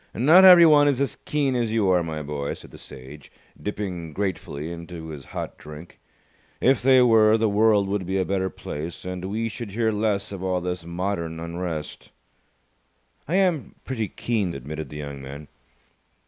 "Not everyone is as keen as you are, my boy," said the Sage, dipping gratefully into his hot drink. "If they were, the world would be a better place, and we should hear less of all this modern unrest." "I am pretty keen," admitted the young man.